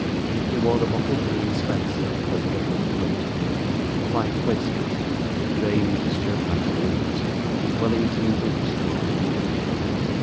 He wore a bottle green spencer over a blue coat; a white waistcoat, grey mixture pantaloons, and Wellington boots drawn over them.